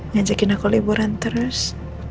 ngajakin aku liburan terus